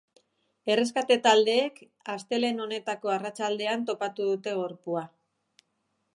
Erreskate-taldeek astelehen honetako arratsaldean topatu dute gorpua.